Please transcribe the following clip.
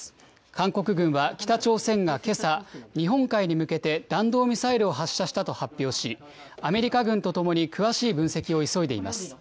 韓国軍は、北朝鮮がけさ、日本海に向けて、弾道ミサイルを発射したと発表し、アメリカ軍とともに詳しい分析を急いでいます。